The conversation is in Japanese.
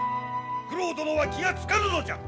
九郎殿は気が付かぬのじゃ。